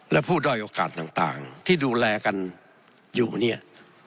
และผู้ด้อยโอกาสต่างที่ดูแลกันอยู่เนี่ย